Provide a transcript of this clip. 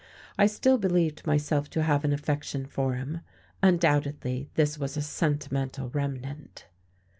I still believed myself to have an affection for him: undoubtedly this was a sentimental remnant....